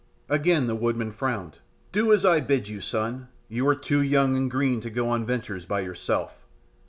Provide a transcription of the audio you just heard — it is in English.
Again the woodman frowned. "Do as I bid you, son. You are too young and green to go on ventures by yourself.